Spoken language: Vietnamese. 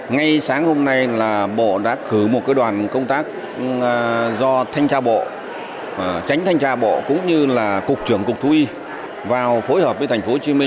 ngay sáng hôm nay là bộ đã cử một đoàn công tác do thanh tra bộ tránh thanh tra bộ cũng như là cục trưởng cục thu y vào phối hợp với tp hcm